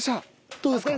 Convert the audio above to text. どうですか？